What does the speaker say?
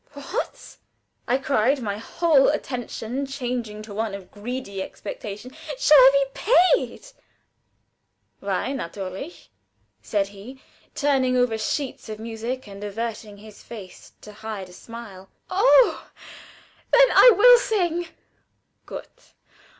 "What!" I cried, my whole attitude changing to one of greedy expectation. "Shall I be paid?" "Why, natürlich," said he, turning over sheets of music, and averting his face to hide a smile. "Oh! then I will sing." "Good!